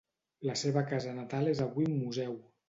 La seva casa natal és avui un museu.